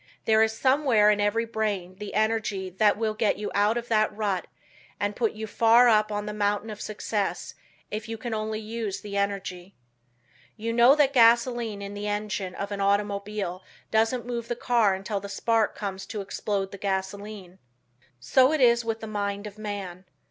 There is somewhere in every brain the energy that will get you out of that rut and put you far up on the mountain of success if you can only use the energy. You know that gasoline in the engine of an automobile doesn't move the car until the spark comes to explode the gasoline. So it is with the mind of man.